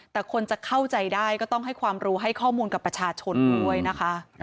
แต่คนจะเข้าใจได้ก็ต้องให้ความรู้ให้ข้อมูลกับประชาชนด้วยนะคะ